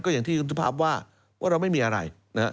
ก็อย่างที่คุณทุภาพว่าว่าเราไม่มีอะไร